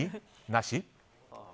なし？